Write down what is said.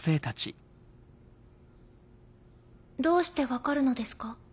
どうして分かるのですか？